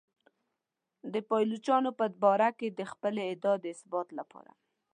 د پایلوچانو په باره کې د خپلې ادعا د اثبات لپاره.